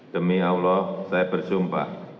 demi allah saya bersumpah